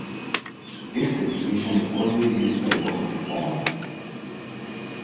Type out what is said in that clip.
This designation is always used by local informants.